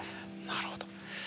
あなるほど。